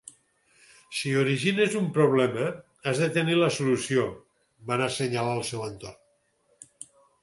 “Si origines un problema, has de tenir la solució”, van assenyalar al seu entorn.